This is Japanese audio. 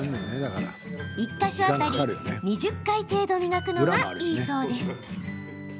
１か所当たり２０回程度磨くのがいいそうです。